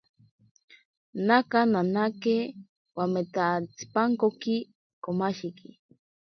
Naka nanake wametantsipankoki komashiki.